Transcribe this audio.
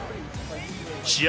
試合